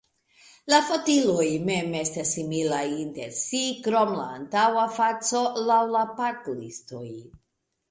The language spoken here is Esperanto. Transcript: La fotiloj mem estas similaj inter si krom la antaŭa faco, laŭ la part-listoj.